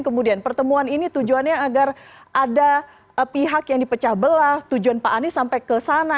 kemudian pertemuan ini tujuannya agar ada pihak yang dipecah belah tujuan pak anies sampai ke sana